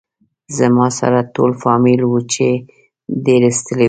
زما سره ټول فامیل و چې ډېر ستړي و.